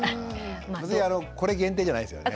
別にこれ限定じゃないですよね？